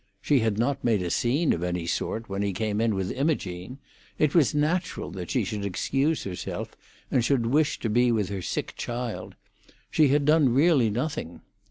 She had not made a scene of any sort when he came in with Imogene; it was natural that she should excuse herself, and should wish to be with her sick child: she had done really nothing.